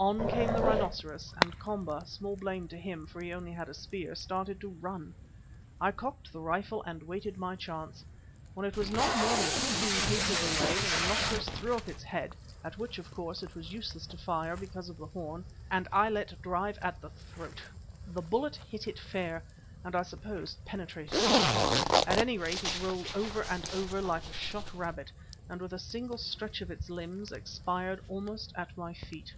On came the rhinoceros, and Komba, small blame to him for he only had a spear, started to run. I cocked the rifle and waited my chance. When it was not more than fifteen paces away the rhinoceros threw up its head, at which, of course, it was useless to fire because of the horn, and I let drive at the throat. The bullet hit it fair, and I suppose penetrated to the heart. At any rate, it rolled over and over like a shot rabbit, and with a single stretch of its limbs, expired almost at my feet.